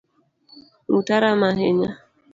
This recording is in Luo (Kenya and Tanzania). Nguta rama ahinya